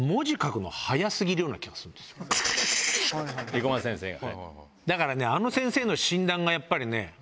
生駒先生が。